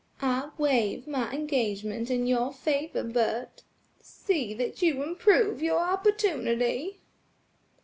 I waive my engagement in your favor, Bert; see that you improve your opportunity."